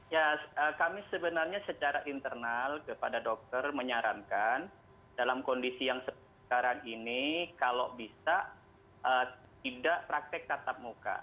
ya kami sebenarnya secara internal kepada dokter menyarankan dalam kondisi yang sekarang ini kalau bisa tidak praktek tatap muka